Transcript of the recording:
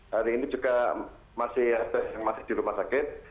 hari ini juga masih ada yang masih di rumah sakit